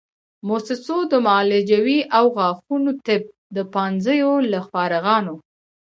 موسسو د معالجوي او غاښونو طب د پوهنځیو له فارغانو